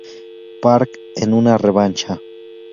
Park en una revancha.